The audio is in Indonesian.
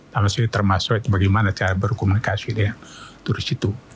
namanya termasuk itu bagaimana cara berkomunikasi dengan turis itu